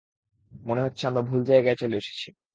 মনে হচ্ছে, আমরা ভুল জায়গায় চলে এসেছি!